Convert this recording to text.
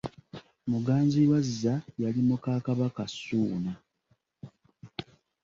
Muganzirwazza yali muka Kabaka Ssuuna.